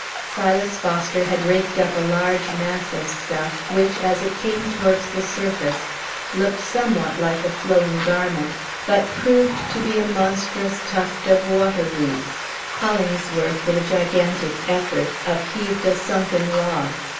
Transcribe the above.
Silas Foster had raked up a large mass of stuff, which, as it came towards the surface, looked somewhat like a flowing garment, but proved to be a monstrous tuft of water weeds. Hollingsworth, with a gigantic effort, upheaved a sunken log.